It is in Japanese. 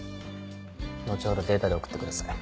後ほどデータで送ってください。